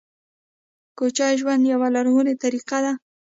کوچي ژوند یوه لرغونې طریقه ده